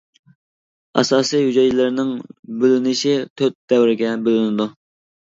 ئاساسى ھۈجەيرىلەرنىڭ بۆلىنىشى تۆت دەۋرگە بۆلىنىدۇ.